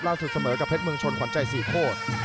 ล่าสุดเสมอกับเพชรเมืองชนขวัญใจ๔โคตร